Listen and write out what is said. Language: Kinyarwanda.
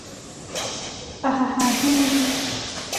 Aha hantu ni he?